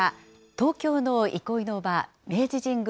東京の憩いの場、明治神宮